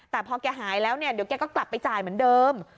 แต่พอแกหายแล้วเนี่ยเดี๋ยวแกก็กลับไปจ่ายเหมือนเดิม